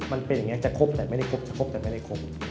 มันเป็นอย่างนี้จะครบแต่ไม่ได้ครบจะครบแต่ไม่ได้ครบ